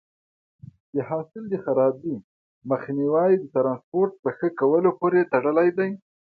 د حاصل د خرابي مخنیوی د ټرانسپورټ په ښه کولو پورې تړلی دی.